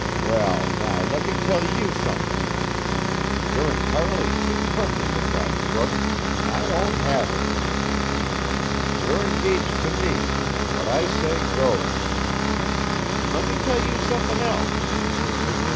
Well, now let me tell you something. You're entirely too friendly with that crook, an' I won't have it! You're engaged to me, and what I say goes. An' let me tell you something else.